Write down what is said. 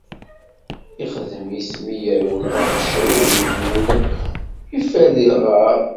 Ixdem-it mi yerwel ɣef Cawul, iffer di lɣar.